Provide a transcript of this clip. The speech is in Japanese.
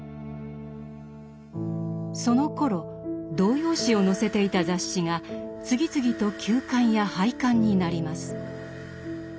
そのころ童謡詩を載せていた雑誌が次々と休刊や廃刊になります。